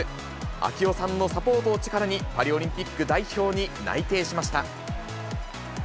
啓代さんのサポートを力に、パリオリンピック代表に内定しま